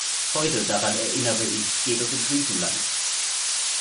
Heute, daran erinnere ich, geht es um Griechenland.